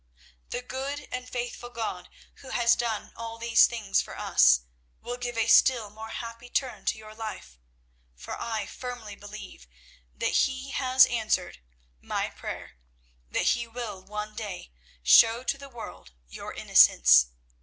"The good and faithful God who has done all these things for us will give a still more happy turn to your life. For I firmly believe that He has answered my prayer, that He will one day show to the world your innocence.